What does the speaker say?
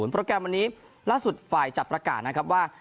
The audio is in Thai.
โปรแกรมวันนี้ล่าสุดฝ่ายจัดประกาศนะครับว่า